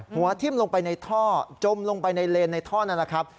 หัวทิ่มลงไปในท่อจมลงไปในเลนในท่อนั้น